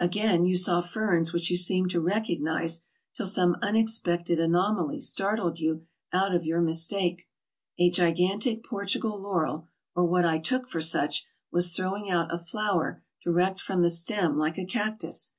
Again, you saw ferns which you seemed to recognize till some unexpected anomaly startled you out of your mis take. A gigantic Portugal laurel, or what I took for such, was throwing out a flower direct from the stem like a cac tus.